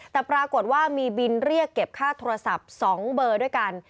แต่ปรากฏว่ามีบินเรียกเก็บค่าโทรศัพท์๒เบอร์ด้วยกัน